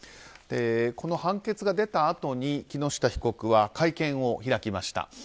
この判決が出たあとに木下被告は会見を開きました。